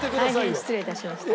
大変失礼いたしました。